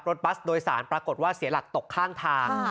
บัสโดยสารปรากฏว่าเสียหลักตกข้างทาง